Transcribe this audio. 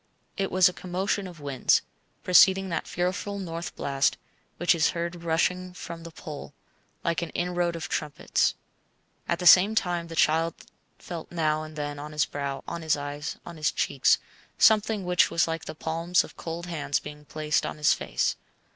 It was a commotion of winds, preceding that fearful north blast which is heard rushing from the pole, like an inroad of trumpets. At the same time the child felt now and then on his brow, on his eyes, on his cheeks, something which was like the palms of cold hands being placed on his face.